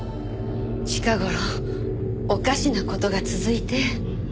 近頃おかしな事が続いて。